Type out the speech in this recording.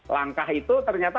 empat belas langkah itu ternyata